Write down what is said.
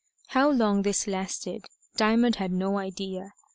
How long this lasted Diamond had no idea.